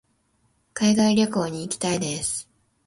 海外旅行に行きたいです。